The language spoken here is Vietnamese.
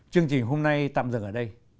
chương trình hôm nay tạm dừng ở đây